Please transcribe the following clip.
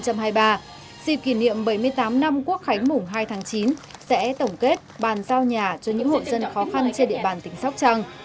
dịp kỷ niệm bảy mươi tám năm quốc khánh mùng hai tháng chín sẽ tổng kết bàn giao nhà cho những hộ dân khó khăn trên địa bàn tỉnh sóc trăng